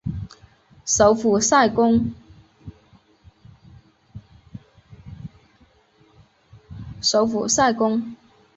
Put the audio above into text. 首府塞公。